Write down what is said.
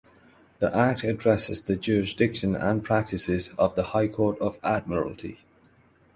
The act addresses the jurisdiction and practices of the High Court of Admiralty.